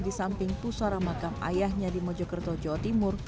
di samping pusara makam ayahnya di mojokerto jawa timur